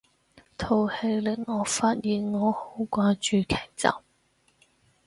套戲令我發現我好掛住劇集